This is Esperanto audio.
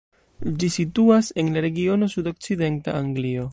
Ĝi situas en la regiono sudokcidenta Anglio.